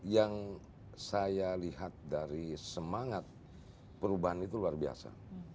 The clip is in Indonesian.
yang saya lihat dari semangat perubahan itu luar biasa